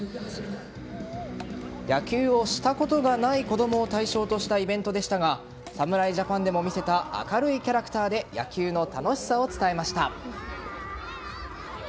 野球をしたことがない子供を対象としたイベントでしたが侍ジャパンでも見せた明るいキャラクターで野球の楽しさを伝えました。